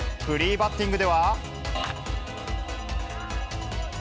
フリーバッティングでは。